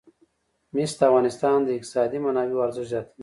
مس د افغانستان د اقتصادي منابعو ارزښت زیاتوي.